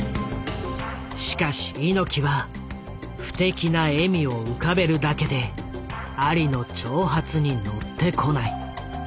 しかし猪木は不敵な笑みを浮かべるだけでアリの挑発に乗ってこない。